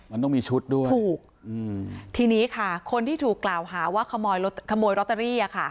มันต้องมีชุดด้วยถูกอืมทีนี้ค่ะคนที่ถูกกล่าวหาว่าขโมยรถขโมยลอตเตอรี่อ่ะค่ะ